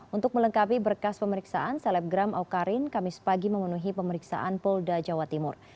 untuk melengkapi berkas pemeriksaan selebgram awkarin kamis pagi memenuhi pemeriksaan polda jawa timur